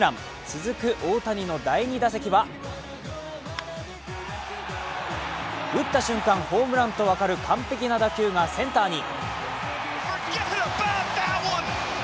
続く、大谷の第２打席は打った瞬間、ホームランと分かる完璧な打球がセンターに。